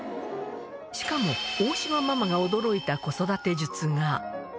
しかも、大島ママが驚いた子育て術が。